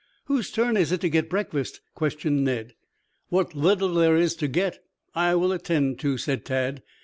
"Whose turn is it to get breakfast?" questioned Ned. "What little there is to get I will attend to," said Tad.